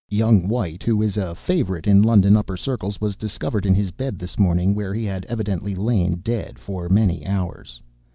Young White, who is a favorite in London upper circles, was discovered in his bed this morning, where he had evidently lain dead for many hours.